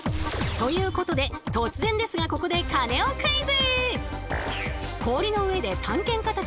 ということで突然ですがここでカネオクイズ！